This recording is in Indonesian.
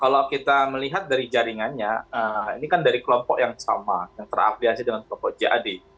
kalau kita melihat dari jaringannya ini kan dari kelompok yang sama yang terafiliasi dengan kelompok jad